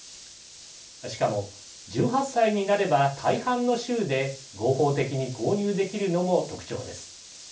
しかも、１８歳になれば大半の州で合法的に購入できるのも特徴です。